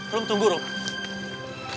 rum tunggu rum